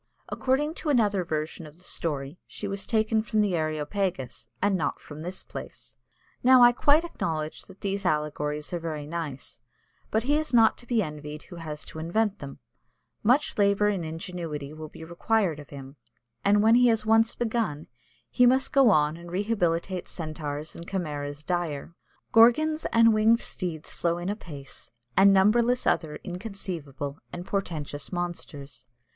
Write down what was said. According to another version of the story, she was taken from the Areopagus, and not from this place. Now I quite acknowledge that these allegories are very nice, but he is not to be envied who has to invent them; much labour and ingenuity will be required of him; and when he has once begun, he must go on and rehabilitate centaurs and chimeras dire. Gorgons and winged steeds flow in apace, and numberless other inconceivable and portentous monsters.